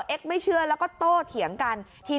ไม่เชื่อแล้วก็โตเถียงกัน